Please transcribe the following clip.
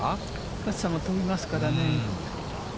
勝さんも飛びますからね。